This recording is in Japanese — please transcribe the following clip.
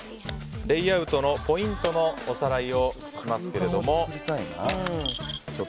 レイアウトのポイントのおさらいをします。